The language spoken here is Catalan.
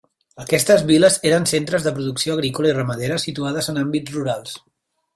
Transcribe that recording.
Aquestes vil·les eren centres de producció agrícola i ramadera situades en àmbits rurals.